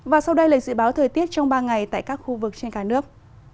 và sau đây là dự báo thời tiết trong ba ngày tại các khu vực trên cả nước